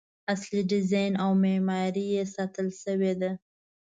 اصلي ډیزاین او معماري یې ساتل شوې ده.